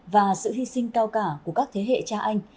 và sự hy sinh cao cả của các thế hệ cha anh